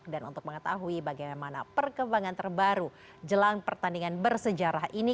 dan untuk mengetahui bagaimana perkembangan terbaru jelang pertandingan bersejarah ini